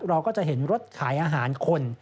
เราก็จะเห็นรถขายอาหารคน